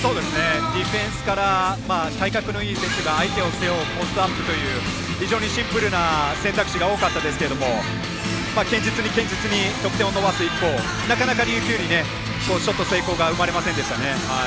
ディフェンスから体格のいい選手が相手を背負うポストアップという非常にシンプルな選択肢が多かったですけれども堅実に堅実に得点を伸ばす一方なかなか、琉球にショット成功が生まれませんでした。